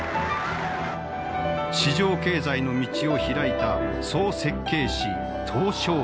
市場経済の道を開いた総設計師小平。